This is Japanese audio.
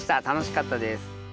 楽しかったです。